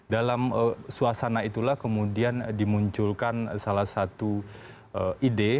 dalam suasana itulah kemudian dimunculkan salah satu ide